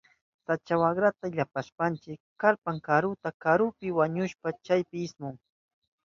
Sacha wakrata illapashpanchi kallpan karuta. Karupi wañushpan chaypi ismun.